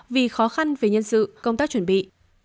vì khó khăn về nhân sự công tác chuẩn bị